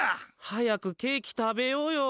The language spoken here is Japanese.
早くケーキ食べようよ。